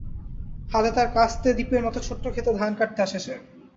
হাতে তার কাস্তে দ্বীপের মতো ছোট্ট খেতে ধান কাটতে আসে সে।